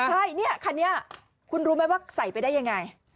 ใช่เนี่ยคันนี้คุณรู้ไหมว่าใส่ไปได้ยังไง